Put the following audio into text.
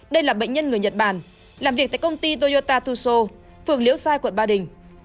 đây là bệnh nhân người nhật bản làm việc tại công ty toyota tuso phường liễu sai quận ba đình